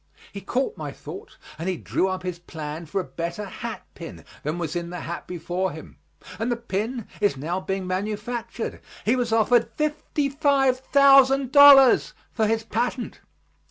He caught my thought, and he drew up his plan for a better hat pin than was in the hat before him, and the pin is now being manufactured. He was offered fifty five thousand dollars for his patent.